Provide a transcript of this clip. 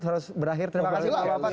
harus berakhir terima kasih bapak bapak